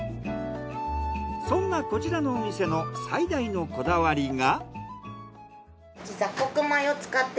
そんなこちらのお店の最大のこだわりが。